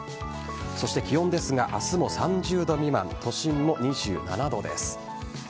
そして気温ですが明日も３０度未満都心も２７度です。